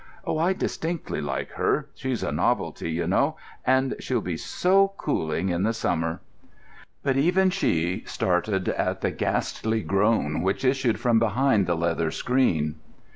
Oh, I distinctly like her. She's a novelty, ye know: and she'll be so cooling in the summer!" But even she started at the ghastly groan which issued from behind the leather screen.